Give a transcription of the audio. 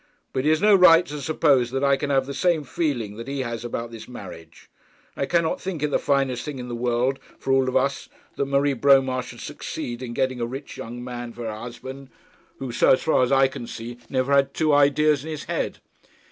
But he has no right to suppose that I can have the same feeling that he has about this marriage. I cannot think it the finest thing in the world for all of us that Marie Bromar should succeed in getting a rich young man for her husband, who, as far as I can see, never had two ideas in his head.'